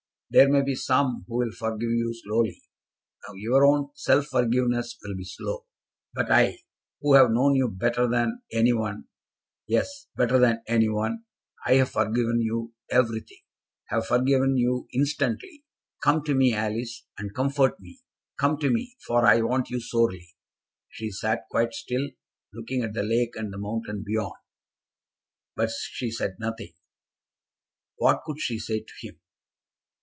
There may be some who will forgive you slowly. Your own self forgiveness will be slow. But I, who have known you better than any one, yes, better than any one, I have forgiven you everything, have forgiven you instantly. Come to me, Alice, and comfort me. Come to me, for I want you sorely." She sat quite still, looking at the lake and the mountain beyond, but she said nothing. What could she say to him?